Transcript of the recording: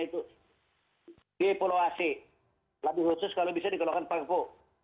lebih khusus kalau bisa dikeluarkan pak kepo